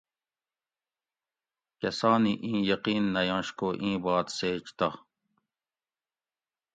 کۤسانی اِیں یقین نہ ینش کو اِیں بات سیچ تہ